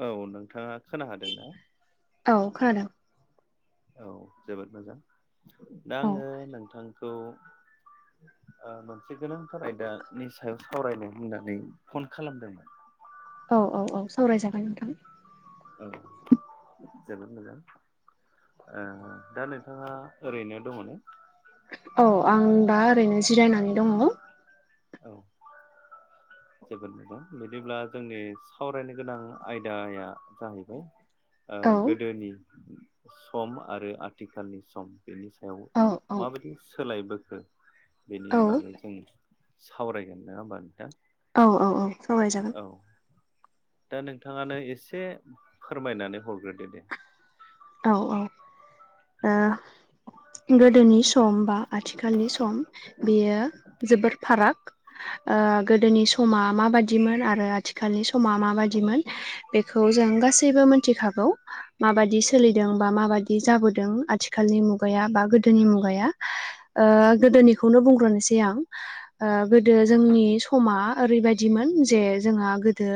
औ नोंथाङा खोना हादों ना? औ खोनादों। औ जोबोद मोजां दा आङो औ नोंथांखौ ओ मोनसे गोनांथार आयदानि सायाव सावरायनो होननानै फन खालामदोंमोन। औ औ औ सावरायजागोन नोंथां। औ जोबोद मोजां। ओ दा नोंथाङा ओरैनो दङ ना? औ आं दा ओरैनो जिरायनानै दङ। औ जोबोद मोजां बिदिब्ला जोंनि सावरायनो गोनां आयदाया जाहैबाय आ औ गोदोनि सम आरो आथिखालनि सम। बेनि सायाव औ माबायदि सोलायबोखो औ बेनि बागै जों सावरायगोन नङा होमबा नोंथां? औ औ औ सावरायजागोन औ दा नोंथाङानो एसे फोरमायनानै हरग्रोदो दे। औ औ ओ गोदोनि सम बा आथिखालनि सम बेयो जोबोद फाराग। ओ गोदोनि समा माबादिमोन आरो आथिखालनि समा माबादिमोन बेखौ जों गासैबो मोनथिखागौ माबादि सोलिदों बा माबादि जाबोदों आथिखालनि मुगाया बा गोदोनि मुगाया। ओ गोदोनिखौनो बुंग्रोनोसै आं। ओ गोदो जोंनि समा ओरैबायदिमोन जे जोंहा गोदो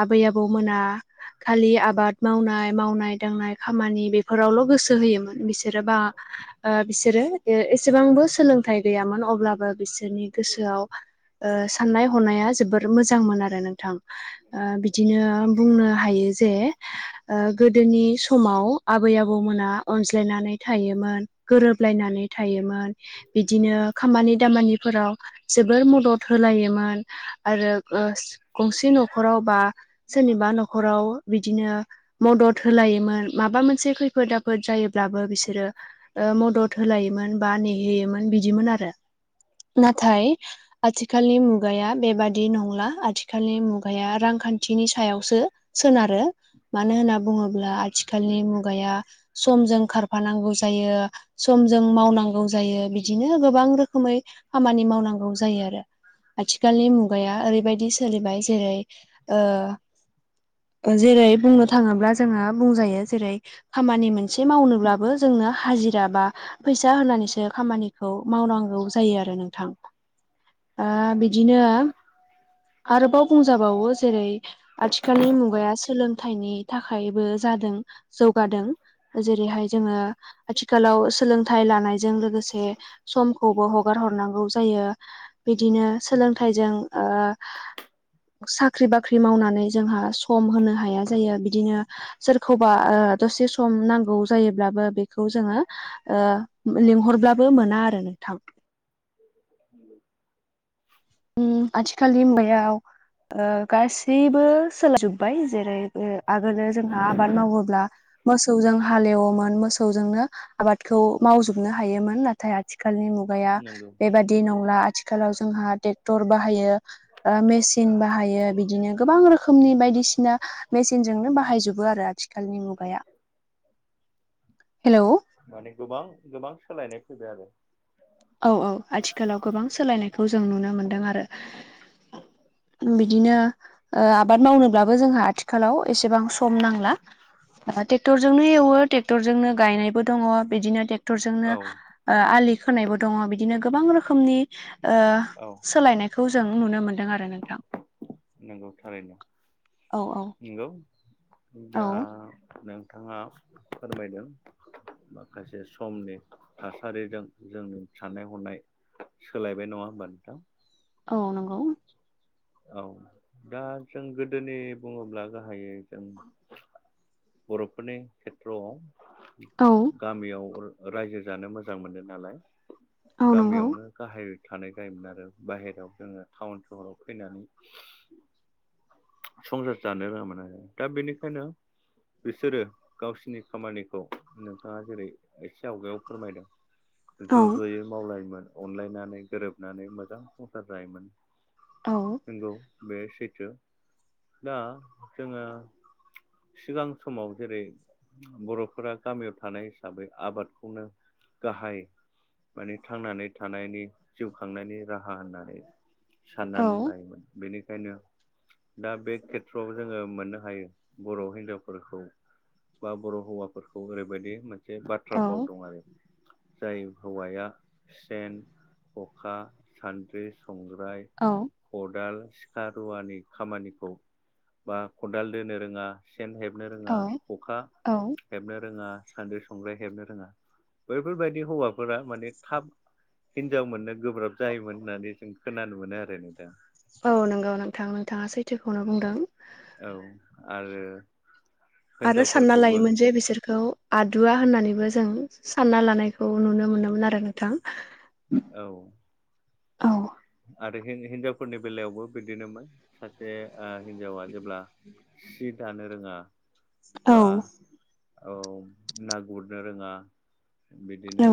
आबै आबौ मोना खालि आबाद मावनाय मावनाय दांनाय खामानि बेफोरावल' गोसो होयोमोन बिसोरो बा ओ बिसोरो ओ एसेबांबो सोलोंथाइ गैयामोन अब्लाबो बिसोरनि गोसोआव ओ साननाय हनाया जोबोर मोजांमोन आरो नोंथां। ओ बिदिनो बुंनो हायो जे ओ गोदोनि समाव आबै आबौमोना अनज्लायनानै थायोमोन गोरोबलायनानै थायोमोन। बिदिनो खामानि दामानिफोराव जोबोर मदद होलायोमोन आरो ओस गंसे न'खरावबा सोरनिबा न'खराव बिदिनो मदद होलायो मोन माबा मोनसे खैफोद आफोद जायोब्लाबो बिसोरो ओ मदद होलायोमोन बा नेहैयोमोन बिदिमोन आरो। नाथाय आथिखालनि मुगाया बेबादि नंला आथिखालनि मुगाया रांखान्थिनि सायावसो सोनारो। मानो होनना बुङोब्ला आथिखालनि मुगाया समजों खारफानांगौ जायो। समजों मावनांगौ जायो बिदिनो गोबां रोखोमै खामानि मावनांगौ जायो आरो। आथिखालनि मुगाया ओरैबायदि सोलाबाय जेरै ओ ओ जेरै बुंनो थाङोब्ला जोङो बुंजायो। जेरै खामानि मोनसे मावनोब्लाबो जोंनो हाजिरा बा फैसा होनानैसो खामानिखौ मावनांगौ जायो आरो नोंथां। ओ बिदिनो आरोबाव बुंजाबावो जेरै आथिखालनि मुगाया सोलोंथाइनि थाखायबो जादों जौगादों। जेरैहाय जोङो आथिखालाव सोलोंथाइ लानायजों लोगोसे समखौबो हगार हरनांगौ जायो। बिदिनो सोलोंथाइजों ओ साख्रि बाख्रि मावनानै जोंहा सम होनो हाया जायो। बिदिनो सोरखौबा दसे सम नांगौ जायोब्लाबो बेखौ जोङो ओ लिंहरब्लाबो मोना आरो नोंथां। [inaudible] उम आथिखालनि मुगायाव ओ गासैबो सोलाय जोब्बाय जेरै ओ आगोलो जोंहा आबाद मावोब्ला मोसौजों हालेवोमोन मोसौजोंनो आबादखौ मावजोबनो हायोमोन नाथाय आ थिखालनि मुगाया नंगौ बेबादि नंला आथिखालाव जोंहा टेक्टर बाहायो। ओ मेसिन बाहायो बिदिनो गोबां रोखोमनि बायदिसिना मेचनजोंनो बाहायजोबो आरो आथिखालनि मुगाया। [inaudible] हेलौ माने गोबां गोबां सोलायनाय फैबाय आरो। औ औ आथिखालाव गोबां सोलायनायखौ जों नुनो मोनदों आरो। बिदिनो ओ आबाद मावनोब्लाबो जोंहा आथिखालाव एसेबां सम नांला। [inaudible] ओ टेक्टरजोंनो एवो टेक्टरजोंनो गायनायबो दङ बिदिनो औ टेक्टरजोंनो आलि खोनायबो दङ बिदिनो गोबां रोखोमनि ओ औ सोलायनाय खौ जों नुनो मोन्दों आरो नोंथां। नोंगौ थारैनो औ औ नोंगौ। जा औ नोंथाङा फोरमायदों माखासे समनि थासारिजों जोंनि साननाय हनाय सोलायबाय नङा होमबा नोंथां? औ नंगौ। औ दा जों गोदोनि बुङोब्ला गाहायै जों बर'फोरनि खेथ्र'आव। औ गामियाव रायजो जानो मोजां मोनो नालाय। औ नंगौ गामियावनो गाहाय थानाय जायोमोन आरो बाहेरायाव जोङो टाउन सहराव फैनानै संसार जानो रोङामोन आरो दा बेनिखायनो बिसोरो गावसिनि खामानिखौ नोंथाङा जेरै एसे आवगायाव फोरमायदों औ ज' ज'यै मावलायोमोन अनलायनानै गोरोबनानै मोजां संसार जायोमोन। औ नंगौ बे सैथो दा जोङो सिगां समाव जेरै- बर'फोरा गामियाव थानाय हिसाबै आबादखौनो गाहाय माने थांनानै थानायनि जिउ खांनायनि राहा होननानै औ साननानै लायोमोन बेनिखायनो दा बे खेथ्र'आव जोङो मोननो हायो बर' हिनजावफोरखौ बा बर' हौवाफोरखौ ओरैबायदि मोनसे बाथ्रा फाव दं आरो जाय हौवाया सेन, खखा, सान्द्रि, संग्राय औ खदाल, सिखा, रुवानि खामानिखौ बा खदाल दोनो रोङा सेन हेबनो औ रोङा खखा औ हेबनो रोङा साद्रि -संग्राय हेबनो रोङा बैफोरबायदि हौवाफोरा माने थाब हिनजाव मोननो गोब्राब जायोमोन होननानै जों खोनानो मोनो आरो नोंथां औ नंगौ नोंथां नोंथाङा सैथोखौनो बुंदों। औ आरो आरो सानना हिनजावफोरखौबो लायोमोन जे बिसोरखौ आदुवा होननानैबो जों सानना लानायखौ नुनो मोनोमोन आरो नोंथां। औ औ आरो हिनजावफोरनि बेलायावबो बिदिनोमोन सासे हिनजावा जेब्ला सि दानो रोङा औ बा औ ना गुरनो रोङा बिदिनो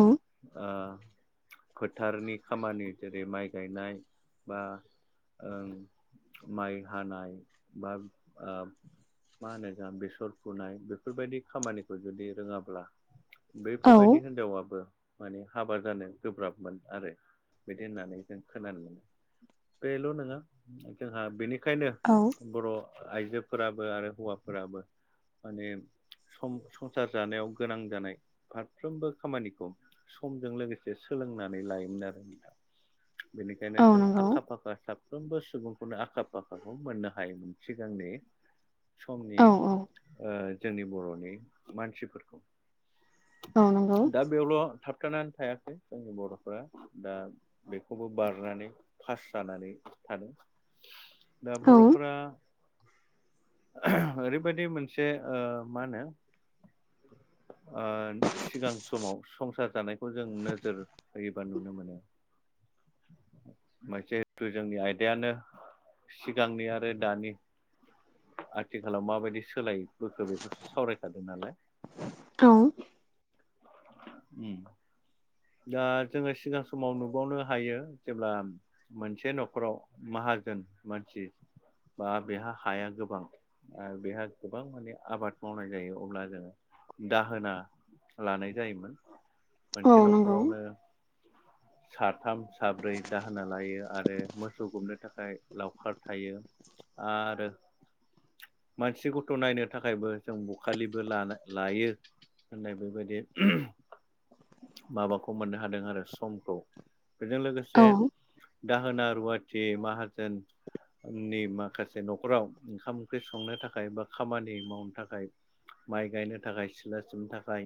फोथारनि खामानि जेरै- माइ गायनाय बा ओं माइ हानाय बा मा होनो जों बेसर फुनाय बेफोरबायदि खामानिखौ जुदि रोङाब्ला औ बैफोरबायदि हिनजावाबो माने हाबा जानो गोब्राबमोन आरो बिदि होननानै जों खोनानो मोनो बेल' नङा जोंहा बेनिखायनो औ बर' आइजोफोराबो आरो हौवाफोराबो माने सम संसार जानायाव गोनां जानाय फारफ्रोमबो खामानिखौ समजों लोगोसे सोलोंनानै लायोमोन आरो नोंथां बेनिखायनो औ जों नंगौ आखा-फाखा सा साफ्रोमबो सुबुंखौनो आखा-फाखाखौ मोननो हायोमोन सिगांनि समनि औ जोंनि बर'नि मानसिफोरखौ अ नंगौ दा बेयावल' थाबथानानै थायाखै जोंनि बर'फ्रा दा खौबो बारनानै पास जानानै थानो दा औ बर'फोरा ओरैबायदि मोनसे मा होनो सिगां समाव संसार जानायखौ जों नोजोर होयोबा नुनो मोनो। [unintelligible] हेथु जोंनि आयदायानो सिगांनि आरो दानि आथिखालाव माबायदि सोलायबोखो बेखौसो सावरायखादों नालाय औ ओम दा जोङो सिगां समाव नुबावनो हायो जेब्ला मोनसे नखराव माहाजोन मानसि बा बेहा हाया गोबां ओ बेहा गोबां माने आबाद मावनाय जायो अब्ला जोङो दाहोना लानाय जायोमोन मोनसे औ न नंगौ ओ साथाम साब्रै दाहोना लायो आरो मोसौ गुमनो थाखाय लावखार थायो आरो मानसि गथ' नायनो थाखायबो जों बखालिबो लाना लायो होननाय बेबायदि [unintelligible] माबाखौ मोननो हादों आरो समखौ बेजों लोगो से औ दाहोना रुवाथि माहाजोननि माखासे नखराव ओंखाम ओंख्रि संनो थाखाय बा खामानि मावनो थाखाय माइ गायनो थाखाय सिला सिमनो थाखाय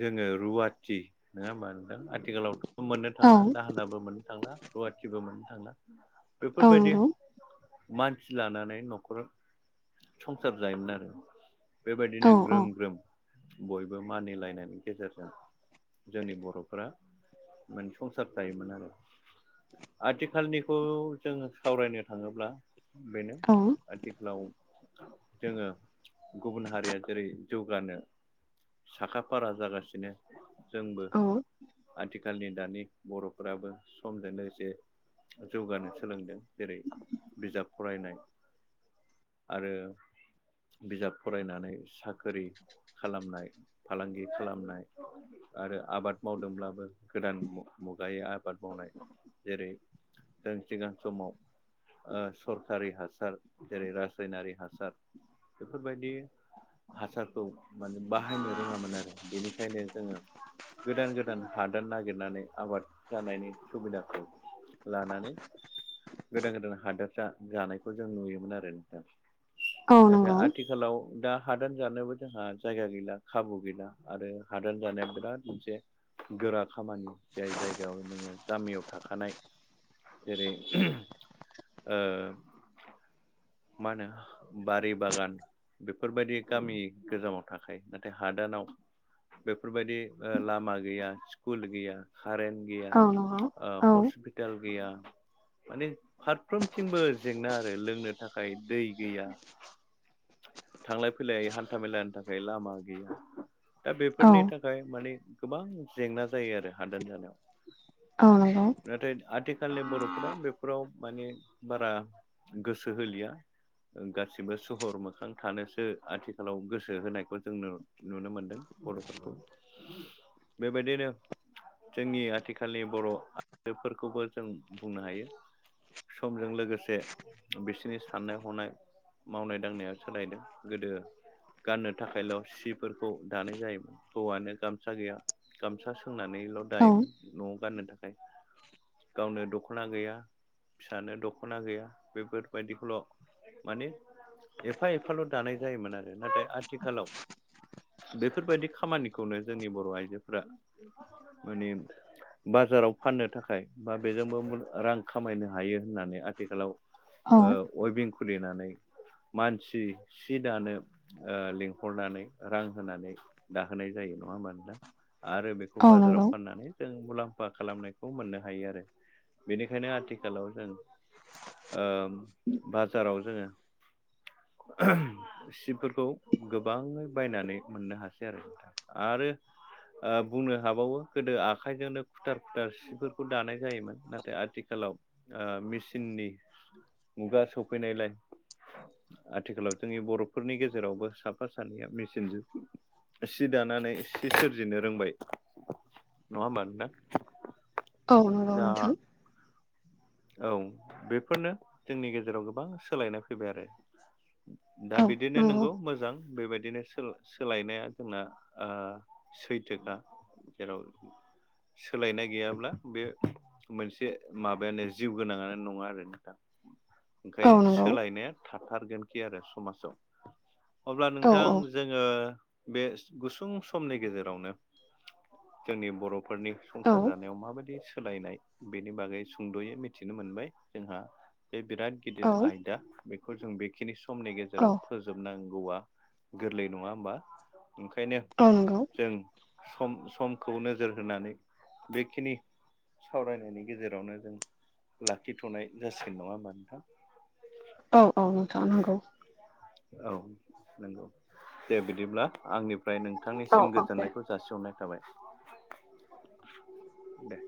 जोङो रुवाथि नोङा होमबा नोंथां आथिखालाव थ' मोननो औ थांला दाहोनाबो मोननो थांला रुवाथिबो मोननो थांला औ बेफोरबायदि नंगौ मानसि लानानै नख खर संसार जायोमोन आरो औ बेबायदिनो ग्रोम ग्रोम बयबो मानिलायनायनि गेजेरजों जोंनि बर'फोरा माने संसार जायोमोन आरो आथिखालनिखौ जोङो सावरायनो थाङोब्ला बेनो औ आथिखालाव जोङो गुबुन हारिया जेरै जौगानो साखाफारा जागासिनो जोंबो औ आथिखालनि दानि बर'फोराबो समजों लोगोसे जौगानो सोलोंदों जेरै बिजाब फरायनाय आरो बिजाब फरायनानै साख्रि खालामनाय फालांगि खालामनाय आरो आबाद मावदोंब्लाबो गोदान मुगायै आबाद मावनाय जेरै जों सिगां समाव ओ सरखारि हासार जेरै रासायनारि हासार बेफोरबायदि हासारखौ माने बाहायनो रोङामोन आरो बेनिखायनो जोङो गोदान गोदान हादान नागिरनानै आबाद जानायनि सुबिदाखौ लानानै गोदान गोदान हादोरसा जानायखौ जों नुयो‌ मोन आरो नोंथां औ नैबे नंगौ आथिखालाव दा हादान जानोबो जोंहा जायगा गैला खाबु गैला आरो हादान जानाया बिराद मोनसे गोरा खामानि जाय जायगायाव नोङो गामियाव थाखानाय जेरै ओ मा होनो बारि बागान बेफोरबायदि गामि गोजामाव थाखायो नाथाय हादानाव बेफोरबायदि ओ लामा गैया स्कुल गैया कारेन गैया औ नंगौ ओ औ हसफि ताल गैया माने फारफ्रोमथिंबो जेंना आरो लोंनो थाखाय दै गैया थांलाय फैलाय हान्था मेलानि थाखाय लामा गैया दा औ बेफोरनि थाखाय माने गोबां जेंना जायो आरो हादान औ नंगौ जानायाव नाथाय आथिखालनि बर'फोरा बेफोराव माने बारा गो सो होलिया ओ गासिबो सहर मोखां थानोसो आथिखालाव गोसो होनायखौ जोंनो नुनो मोनदों बर'फोरखौ बेबायदिनो जोंनि आथिखालनि बर' आइजोफोरखौबो जों बुंनो हायो समजों लोगोसे बिसिनि साननाय हनाय मावनाय दांनाया सोलायदों गोदो गाननो थाखायल' सिफोरखौ दानाय जायोमोन हौवानो गामसा गैया गामसा सोंनानैल' औ दायोमोन ‌। न'आव गाननो थाखाय गावनो दख'ना गैया फिसानो दख'ना गैया बेफोरबायदिखौल' माने एफा एफाल' दानाय जायोमोन आरो नाथाय आथिखालाव बेफोरबायदि खामानिखौनो जोंनि बर' आइजोफोरा माने बाजाराव फाननो थाखाय बा बेजोंबो रां खामायनो हायो होननानै आथिखालाव औ ओ उइफिं खुलिनानै मानसि सि दानो ओ लिंहरनानै रां होनानै दाहोनाय जायो नङा होमबा नोंथां आरो बे खौ औ बाजाराव नंगौ फाननानै जों मुलाम्फा खालामनायखौ मोननो हायो आरो बेनिखायनो आथिखालाव जों ओ बाजाराव जोङो सिफोरखौ गोबाङै बायनानै मोननो हासै आरो नोंथां। आरो ओ बुंनो हाबावो गोदो आखाइजोंनो खुथार खुथार सिफोरखौ दानाय जायोमोन नाथाय आथिखालाव ओ मेसिननि मुगा सफैनाय लाइ आथिखालाव जोंनि बर'फोरनि गेजेरावबो साफा सानैया मेसिनजों सि दानानै सि सोरजिनो रोंबाय नङा होमबा नोंथां? औ नंगौ दा नोंथां। औ बेफोरनो जोंनि गेजेराव गोबां सोलायनाय फैबाय आरो। दा औ बिदिनो नंगौ नोंगौ मोजां बेबायदिनो सोलाय सोलायनाया जोंना ओ सैथोखा जेराव सोलायनाय गैयाब्ला बे मोनसे माबायानो जिउ गोनाङानो नङा आरो नोंथां औ ओंखायनो नंगौ सोलायनाया थाथारगोनखि आरो समाजाव अब्ला औ नोंथां जोङो बे गुसुं समनि गेजेरावनो जोंनि बर'फोरनि औ संसार जानायाव माबायदि सोलायनाय बेनि बागै सुंद'यै मि मिथिनो मोनबाय जोंहा बे बिराद औ गिदिर आयदा बेखौ जों बे खिनि समनि औ गेजेराव फोजोबनांगौआ गोरलै नङा होमबा। ओंखायनो औ नंगौ जों सम समखौ नोजोर होनानै बेखिनि सावरायनायनि गेजेरावनो जों लाखिथ'नाय जासिगोन नङा होमबा नोंथां? औ औ नोंथां नंगौ। औ नंगौ दे बिदिब्ला आंनि फ्राय औ नोंथांनिसिम औ दे गोजोननायखौ जासिहरनाय थाबाय दे।